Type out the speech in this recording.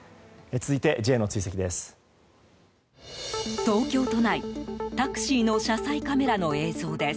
続いてＪの追跡です。